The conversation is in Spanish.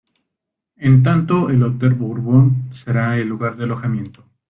En tanto el hotel Bourbon será el lugar de alojamiento.